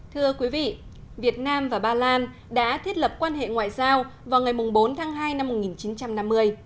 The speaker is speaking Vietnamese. thưa quý vị việt nam và ba lan đã thiết lập quan hệ ngoại giao vào ngày bốn tháng hai năm một nghìn chín trăm năm mươi